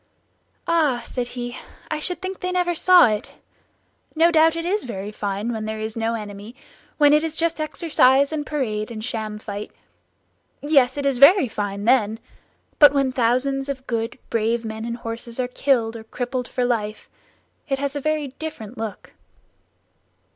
"Ah!" said he, "I should think they never saw it. No doubt it is very fine when there is no enemy, when it is just exercise and parade and sham fight. Yes, it is very fine then; but when thousands of good brave men and horses are killed or crippled for life, it has a very different look."